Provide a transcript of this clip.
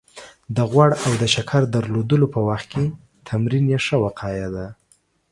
د غوړ او د شکر درلودلو په وخت کې تمرین يې ښه وقايه ده